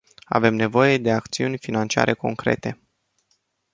Avem nevoie de acțiuni financiare concrete.